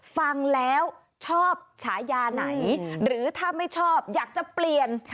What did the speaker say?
ฟังแล้วชอบฉายาไหนหรือถ้าไม่ชอบอยากจะเปลี่ยน